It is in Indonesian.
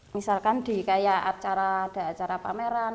misalkan di kayak acara ada acara pameran